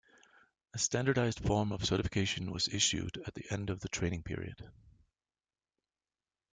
A standardised form of certification was issued at the end of the training period.